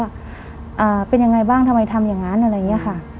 ว่าเป็นยังไงบ้างทำไมทำอย่างนั้นอะไรอย่างนี้ค่ะ